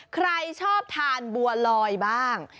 ใครชอบทานบัวลอยบ้าง